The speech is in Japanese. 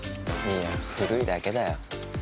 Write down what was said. いや古いだけだよ。